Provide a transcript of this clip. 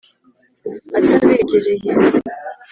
atabegereye